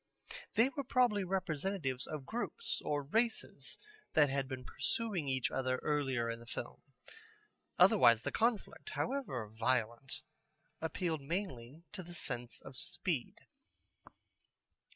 They were probably representatives of groups or races that had been pursuing each other earlier in the film. Otherwise the conflict, however violent, appealed mainly to the sense of speed.